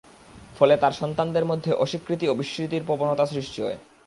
ফলে তার সন্তানদের মধ্যে অস্বীকৃতি ও বিস্মৃতির প্রবণতা সৃষ্টি হয়।